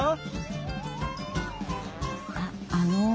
あっあの。